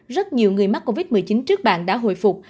rất nhiều người mắc covid một mươi chín trước bạn đã hồi phục